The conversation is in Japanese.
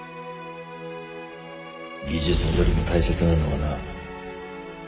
技術よりも大切なのはな